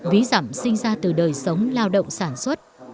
ví giảm sinh ra từ đời sống lao động sản xuất